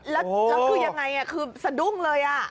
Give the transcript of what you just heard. แล้วคือยังไงคือสะดุ้งเลย